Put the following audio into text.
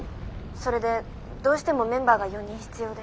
それでどうしてもメンバーが４人必要で。